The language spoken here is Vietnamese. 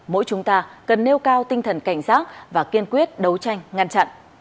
mỗi chúng ta cần nêu cao tinh thần cảnh giác và kiên quyết đấu tranh ngăn chặn